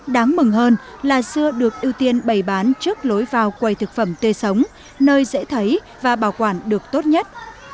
đáng mừng hơn là xưa được ưu tiên bày bán trước lối vào quầy thực phẩm tươi sống nơi dễ thấy và bảo quản được tốt nhất